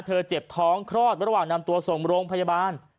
เจ็บท้องคลอดระหว่างนำตัวส่งโรงพยาบาล